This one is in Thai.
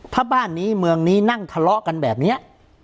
ถ้าบ้านนี้เมืองนี้นั่งทะเลาะกันแบบนี้